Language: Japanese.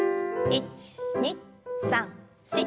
１２３４。